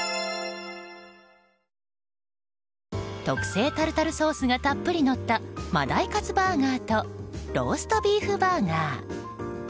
特製タルタルソースがたっぷりのった真鯛カツバーガーとローストビーフバーガー。